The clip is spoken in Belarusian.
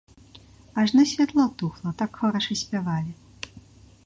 Ажно святло тухла, так хораша спявалі.